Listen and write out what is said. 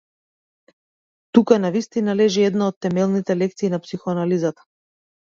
Тука навистина лежи една од темелните лекции на психоанализата.